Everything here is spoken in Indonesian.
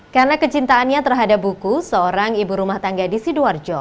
karena kecintaannya terhadap buku seorang ibu rumah tangga di sidoarjo